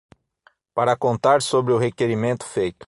Para contar sobre o requerimento feito